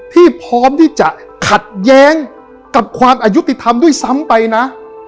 พร้อมที่จะขัดแย้งกับความอายุติธรรมด้วยซ้ำไปนะ